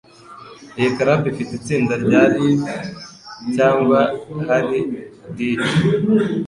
Iyi club ifite itsinda rya Live, cyangwa hari DJ?